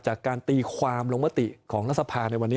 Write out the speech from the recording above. จากการตีความลงมติของรัฐสภาในวันนี้